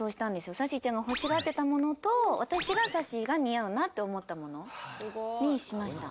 さっしーちゃんが欲しがってたものと私がさっしーが似合うなって思ったものにしました。